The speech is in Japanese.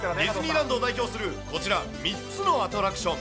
ランドを代表するこちら、３つのアトラクション。